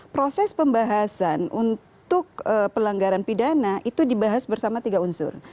proses pembahasan untuk pelanggaran pidana itu dibahas bersama tiga unsur